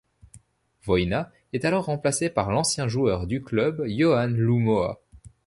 Voina est alors remplacé par l'ancien joueur du club Yohann Lhou Moha.